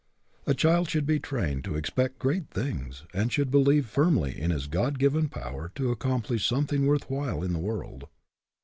A child should be trained to ex pect great things, and should believe firmly in his God given power to accomplish some thing worth while in the world.